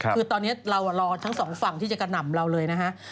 คือตอนนี้เรารอทั้งสองฝั่งที่จะกระหน่ำเราเลยนะฮะ